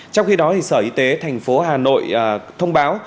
trong khi đó sở y tế thành phố hà nội thông báo